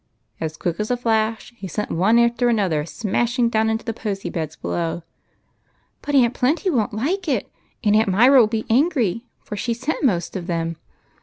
And, as quick as a flash, he sent one after another smashing down into the posy beds below. " But Aunt Plenty won't like it ; and Aunt Myra will be angry, for she sent most of them